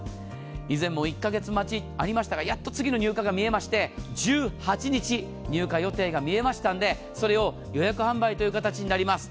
以前も１か月待ちありましたがやっと次の入荷が見えまして１８日入荷予定が見えましたのでそれを予約販売という形になります。